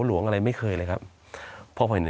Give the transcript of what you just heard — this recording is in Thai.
สวัสดีครับทุกคน